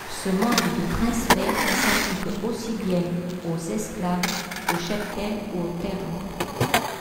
Ce mode de transfert s'applique aussi bien aux esclaves, qu'au cheptel ou aux terres.